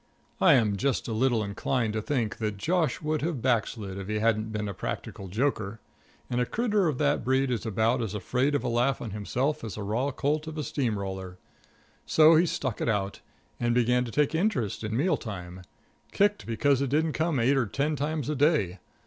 I am just a little inclined to think that Josh would have backslid if he hadn't been a practical joker, and a critter of that breed is about as afraid of a laugh on himself as a raw colt of a steam roller. So he stuck it out, and began to take an interest in meal time. Kicked because it didn't come eight or ten times a day.